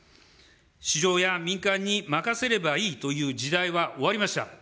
市場や民間に任せればいいという時代は終わりました。